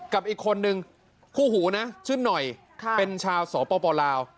กับอีกคนนึงคู่หูนะชื่อหน่อยเป็นชาวสปลาว